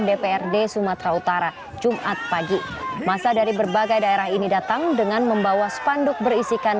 dprd sumatera utara jumat pagi masa dari berbagai daerah ini datang dengan membawa spanduk berisikan